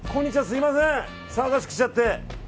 すみません、騒がしくしちゃって。